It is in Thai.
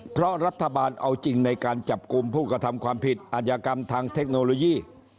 เพราะรัฐบาลเอาจริงในการจับกลุ่มผู้กระทำความผิดอาจยากรรมทางเทคโนโลยี